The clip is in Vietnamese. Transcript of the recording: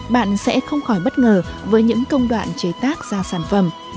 bạn sẽ không khỏi bất ngờ với những công đoạn chế tác ra sản phẩm